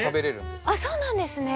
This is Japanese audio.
あっそうなんですね。